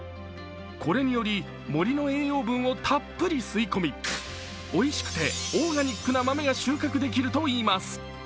これにより、森の栄養分をたっぷり吸い込み、おいしくてオーガニックな豆が収穫できるといいます。